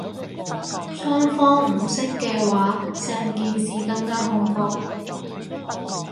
雙方唔識嘅話成件事更加恐怖